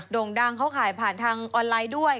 ่งดังเขาขายผ่านทางออนไลน์ด้วย